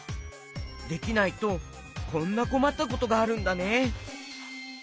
できないとこんなこまったことがあるんだね。